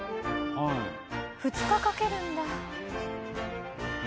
２日かけるんだ。